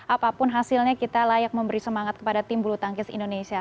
apapun hasilnya kita layak memberi semangat kepada tim bulu tangkis indonesia